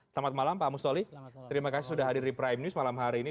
selamat malam pak mustoli terima kasih sudah hadir di prime news malam hari ini